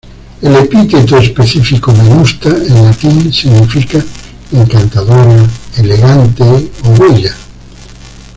El epíteto específico, "venusta", en latín significa encantadora, elegante, o bella.